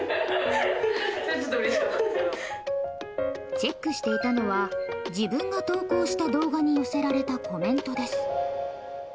チェックしていたのは自分が投稿した動画に寄せられたコメントです。